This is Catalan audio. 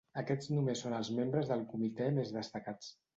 Aquests només són els membres del comitè més destacats.